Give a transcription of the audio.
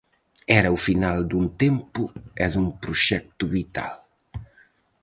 Era o final dun tempo e dun proxecto vital.